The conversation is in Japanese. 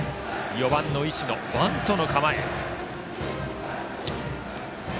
４番の石野はバントの構え。